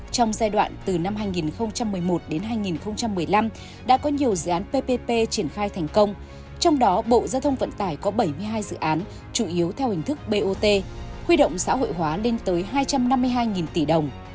trong giai đoạn từ năm hai nghìn một mươi một đến hai nghìn một mươi năm đã có nhiều dự án ppp triển khai thành công trong đó bộ giao thông vận tải có bảy mươi hai dự án chủ yếu theo hình thức bot huy động xã hội hóa lên tới hai trăm năm mươi hai tỷ đồng